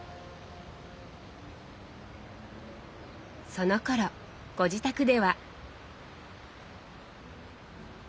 そのころご自宅では。